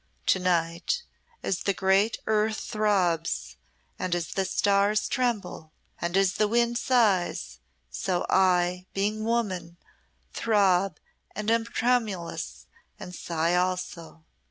To night, as the great earth throbs, and as the stars tremble, and as the wind sighs, so I, being woman, throb and am tremulous and sigh also.